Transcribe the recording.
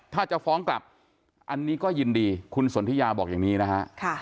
ถ้าจะฟ้องกลับอันนี้ก็ยินดีคุณสนทิยาบอกอย่างนี้นะฮะ